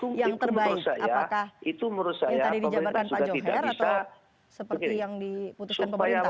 apakah yang tadi dijabarkan pak johair atau seperti yang diputuskan pemerintah